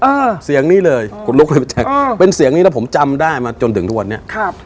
เป็นเสียงนี้เลยเป็นเสียงนี้แล้วผมจำได้มาจนถึงทุกวันนี้